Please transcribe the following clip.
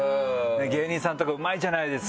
芸人さんとかうまいじゃないですか。